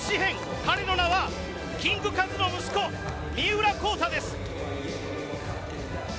彼の名はキングカズの息子三浦孝太です。